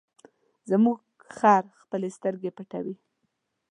زموږ خر خپلې سترګې پټوي.